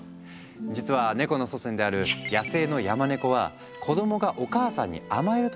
実はネコの祖先である野生のヤマネコは子供がお母さんに甘える